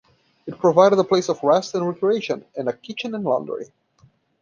It provided a place of rest and recreation, and a kitchen and laundry.